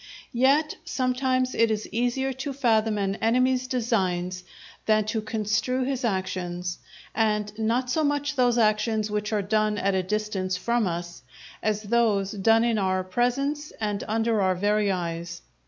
Yet sometimes it is easier to fathom an enemy's designs than to construe his actions; and not so much those actions which are done at a distance from us, as those done in our presence and under our very eyes.